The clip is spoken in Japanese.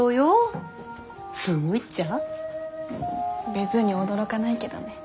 別に驚かないけどね。